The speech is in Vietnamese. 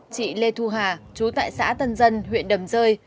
chị lê thu hà chú tại xã tân dân huyện đầm rơi